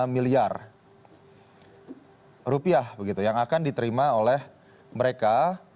lima miliar rupiah yang akan diterima oleh mereka